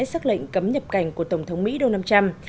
xác lệnh cấm nhập cảnh của tổng thống mỹ donald trump